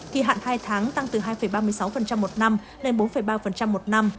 kỳ hạn hai tháng tăng từ hai ba mươi sáu một năm lên bốn ba một năm